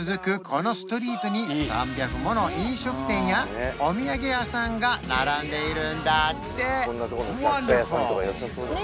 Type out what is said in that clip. このストリートに３００もの飲食店やお土産屋さんが並んでいるんだってワンダフル！